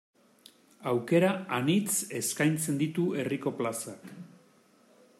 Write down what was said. Aukera anitz eskaintzen ditu herriko plazak.